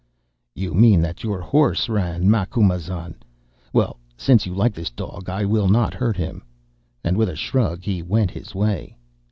"'You mean that your horse ran, Macumazahn. Well, since you like this dog, I will not hurt him,' and with a shrug he went his way.